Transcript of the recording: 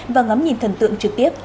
và ngắm nhìn thần tượng trực tiếp